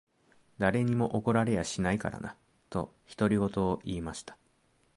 誰にも怒られやしないからな。」と、独り言を言いました。